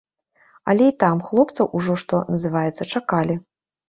Але і там хлопцаў ужо, што называецца, чакалі.